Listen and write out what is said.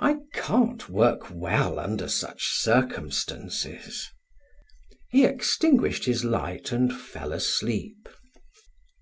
I can't work well under such circumstances." He extinguished his light and fell asleep.